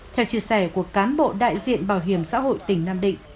theo chia sẻ của cán bộ đại diện bảo hiểm xã hội tỉnh nam định